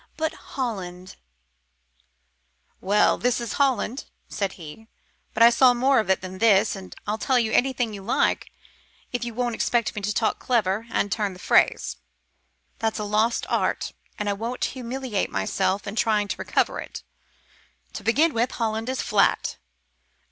But Holland " "Well, this is Holland," said he; "but I saw more of it than this, and I'll tell you anything you like if you won't expect me to talk clever, and turn the phrase. That's a lost art, and I won't humiliate myself in trying to recover it. To begin with, Holland is flat."